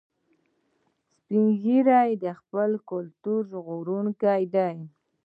سپین ږیری د خپل کلتور ژغورونکي دي